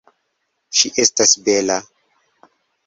Ŝi estas bela.